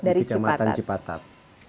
dari kecamatan cipatat